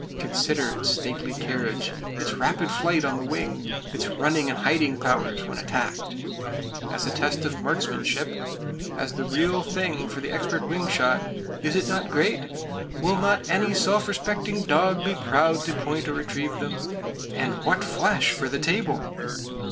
Consider its stately carriage, its rapid flight on the wing, its running and hiding powers when attacked. As a test of marksmanship, as the real thing for the expert wing shot, is it [Page 297] not great? Will not any self respecting dog be proud to point or retrieve them? And what flesh for the table!